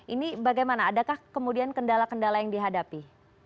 ini bagaimana adakah kemudian kendala kendala yang dihadapi